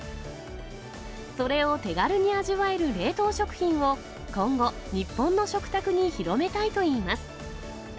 それを手軽に味わえる冷凍食品を、今後、日本の食卓に広めたいといいます。